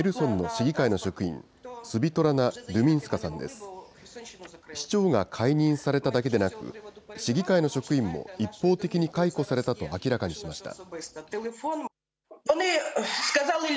市長が解任されただけでなく、市議会の職員も一方的に解雇されたと明らかにしました。